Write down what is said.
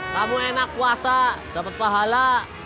kamu enak puasa dapat pahala